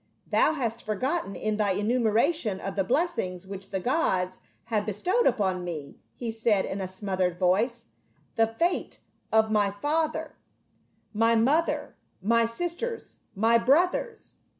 "Thou hast forgotten in thy enumeration of the blessings which the gods have bestowed upon me," he said in a smothered voice, " the fate of my father, my 46 PA UL. mother, my sisters, my brothers."